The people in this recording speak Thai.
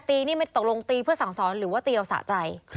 นี่ไม่ตกลงตีเพื่อสั่งสอนหรือว่าตีเอาสะใจ